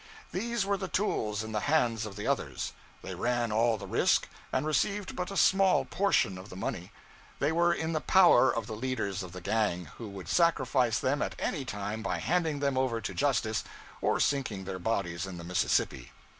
These were the tools in the hands of the others; they ran all the risk, and received but a small portion of the money; they were in the power of the leaders of the gang, who would sacrifice them at any time by handing them over to justice, or sinking their bodies in the Mississippi.